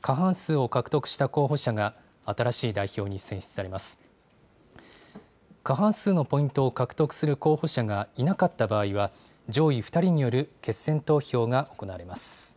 過半数のポイントを獲得する候補者がいなかった場合は、上位２人による決選投票が行われます。